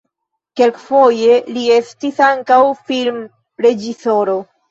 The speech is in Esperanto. Kelkfoje li estis ankaŭ filmreĝisoro.